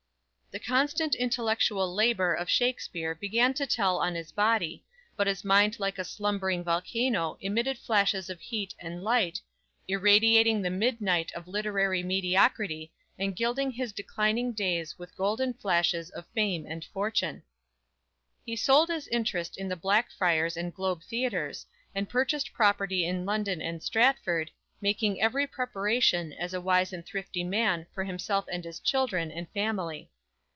The constant intellectual labor of Shakspere began to tell on his body, but his mind like a slumbering volcano, emitted flashes of heat and light, irradiating the midnight of literary mediocrity and gilding his declining days with golden flashes of fame and fortune. He sold his interest in the Blackfriars and Globe theatres, and purchased property in London and Stratford, making every preparation as a wise and thrifty man for himself and his children and family.